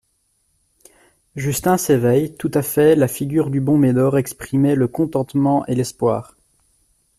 Justin s'éveille tout à fait La figure du bon Médor exprimait le contentement et l'espoir.